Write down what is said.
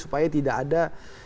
supaya tidak ada